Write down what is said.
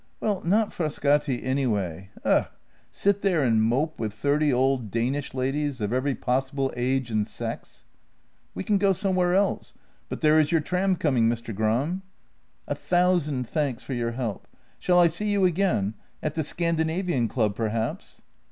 "Well, not Frascati anyway — ugh! sit there and mope with thirty old Danish ladies of every possible age and sex." " We can go somewhere else. But there is your tram coming, Mr. Gram." " A thousand thanks for your help. Shall I see you again — at the Scandinavian club, perhaps?